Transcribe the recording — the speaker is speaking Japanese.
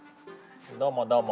どうもどうも。